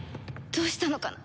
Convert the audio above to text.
どうしたのかな？